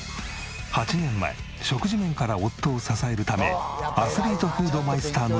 ８年前食事面から夫を支えるためアスリートフードマイスターの資格を取得。